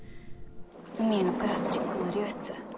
海へのプラスチックの流出。